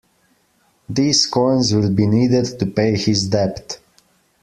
These coins will be needed to pay his debt.